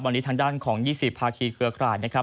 วันนี้ทางด้านของยีสิบพาฮีเกลือขราดนะครับ